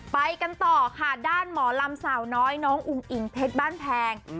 ไปกันต่อค่ะด้านหมอลำสาวน้อยน้องอุ้งอิงเพชรบ้านแพง